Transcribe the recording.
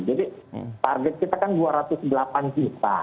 target kita kan dua ratus delapan juta